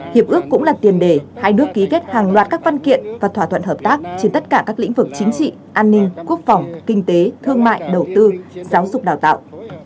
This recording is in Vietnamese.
hiệp ước cũng là tiền đề hai nước ký kết hàng loạt các văn kiện và thỏa thuận hợp tác trên tất cả các lĩnh vực chính trị an ninh quốc phòng kinh tế thương mại đầu tư giáo dục đào tạo